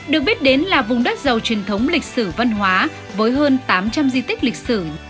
được biết đến là vùng đất giàu truyền thống lịch sử văn hóa với hơn tám trăm linh di tích lịch sử